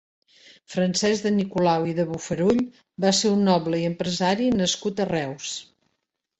Francesc de Nicolau i de Bofarull va ser un noble i empresari nascut a Reus.